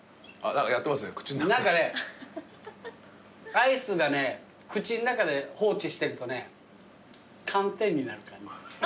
アイスが口ん中で放置してるとね寒天になる感じ。